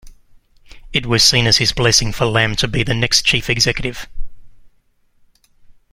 It was seen as his blessing for Lam to be the next Chief Executive.